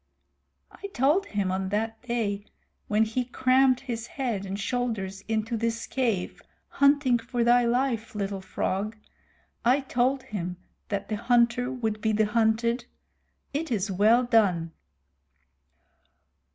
"I told him on that day, when he crammed his head and shoulders into this cave, hunting for thy life, Little Frog I told him that the hunter would be the hunted. It is well done."